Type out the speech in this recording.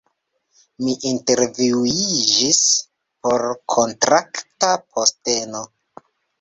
Mi intervjuiĝis por kontrakta posteno